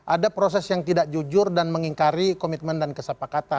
ada proses yang tidak jujur dan mengingkari komitmen dan kesepakatan